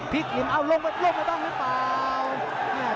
พลิกเหลี่ยมเอ้าลงไปลงไปตั้งหรือเปล่า